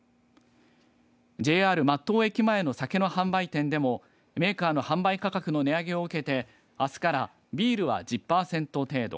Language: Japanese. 松任駅前の酒の販売店でもメーカーの販売価格の値上げを受けてあすからビールは１０パーセント程度。